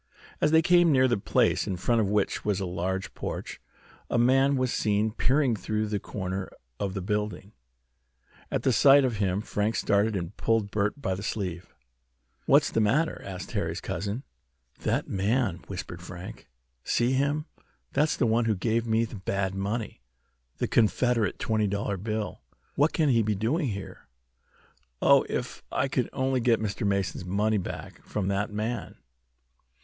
As they came near the place, in front of which was a large porch, a man was seen peering around the corner of the building. At the sight of him Frank started and pulled Bert by the sleeve. "What's the matter?" asked Harry's cousin. "That man!" whispered Frank. "See him! That's the one who gave me the bad money the Confederate twenty dollar bill. What can he be doing here? Oh, if I could only get Mr. Mason's money back from that man!"